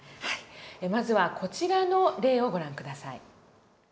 まずはこちらの例をご覧下さい。